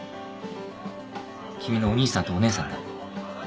君のお兄さんとお姉さんだ。